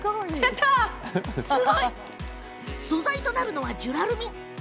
素材となるのはジュラルミン。